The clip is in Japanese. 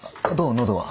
喉は。